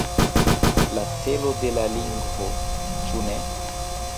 La celo de la lingvo, ĉu ne?